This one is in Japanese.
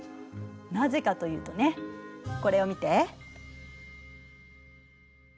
なぜかというとねこれを見て。